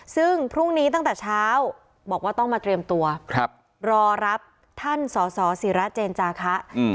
ซึ่งพรุ่งนี้ตั้งแต่เช้าบอกว่าต้องมาเตรียมตัวรอรับท่านสสิระเจนจาคะ